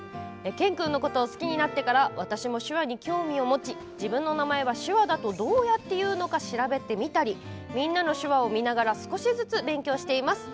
健君のことを好きになってから私も手話に興味を持ち自分の名前は手話だとどうやって言うのか調べてみたり「みんなの手話」を見ながら少しずつ勉強しています！